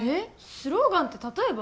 スローガンって例えば？